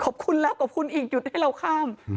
ขอบคุณแล้วขอบคุณอีกหยุดให้เราข้าม